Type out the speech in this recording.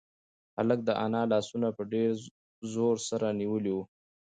هلک د انا لاسونه په ډېر زور سره نیولي وو.